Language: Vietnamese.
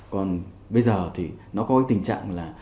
còn bây giờ thì nó có tình trạng là